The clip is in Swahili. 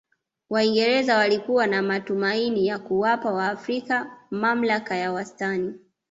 waingereza walikuwa na matumaini ya kuwapa waafrika mamlaka ya wastani